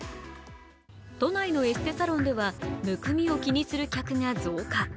都内のエステサロンではむくみを気にする客が増加。